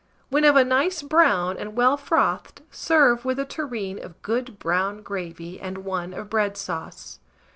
When of a nice brown and well frothed, serve with a tureen of good brown gravy and one of bread sauce.